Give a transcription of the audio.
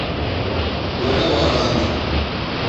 We nebarand.